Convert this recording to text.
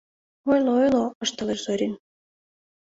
— Ойло-ойло, — ышталеш Зорин.